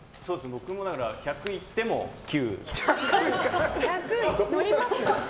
僕も、１００いっても９。